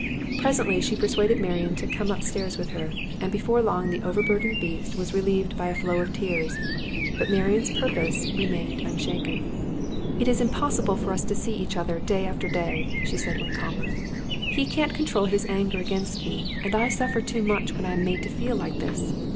Presently she persuaded Marian to come upstairs with her, and before long the overburdened breast was relieved by a flow of tears. But Marian's purpose remained unshaken. 'It is impossible for us to see each other day after day,' she said when calmer. 'He can't control his anger against me, and I suffer too much when I am made to feel like this.